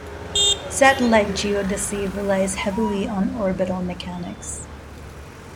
Satellite geodesy relies heavily on orbital mechanics.